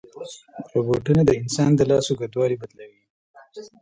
روبوټونه د انسان د لاس اوږدوالی بدلوي.